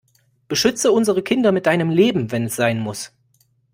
Beschütze unsere Kinder mit deinem Leben, wenn es sein muss!